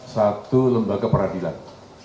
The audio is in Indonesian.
pada satu lembaga peradilan